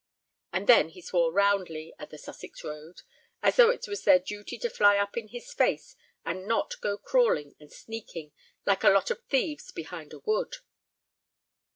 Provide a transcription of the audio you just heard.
And then he swore roundly at the Sussex roads, as though it was their duty to fly up in his face and not go crawling and sneaking like a lot of thieves behind a wood.